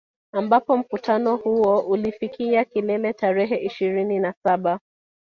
Ambapo mkutano huo ulifikia kilele tarehe ishirini na saba